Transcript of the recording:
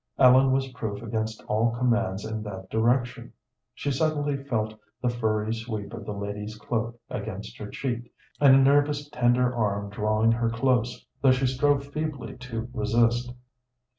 Ellen was proof against all commands in that direction. She suddenly felt the furry sweep of the lady's cloak against her cheek, and a nervous, tender arm drawing her close, though she strove feebly to resist.